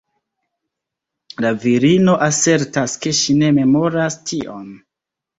La virino asertas ke ŝi ne memoras tion.